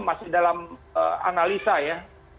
masih dalam analisa ya